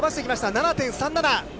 ７．３７。